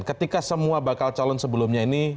ketika semua bakal calon sebelumnya ini